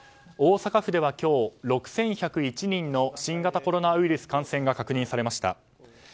大阪府では今日６１０１人の新型コロナウイルス感染が確認されました。